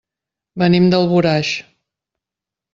Venim d'Alboraig.